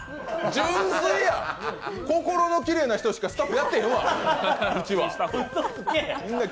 純粋や、心のきれいな人しかスタッフやってへんわ、うちは。